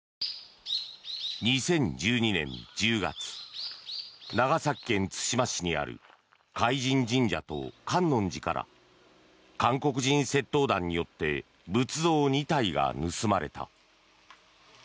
２０１２年１０月長崎県対馬市にある海神神社と観音寺から韓国人窃盗団によって仏像２体が盗まれた。